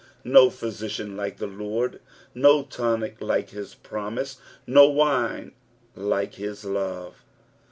No physician like the Lord, no tonic like his promise, no wine hke his love.